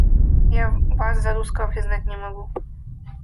Я вас за русского признать не могу.